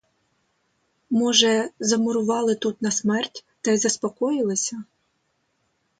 Може, замурували тут на смерть та й заспокоїлися?